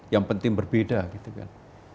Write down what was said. yang penting berbeda gitu kan